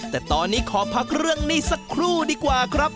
แต่ตอนนี้ขอพักเรื่องหนี้สักครู่ดีกว่าครับ